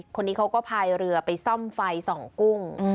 คนนี้เขาก็พายเรือไปซ่อมไฟส่องกุ้ง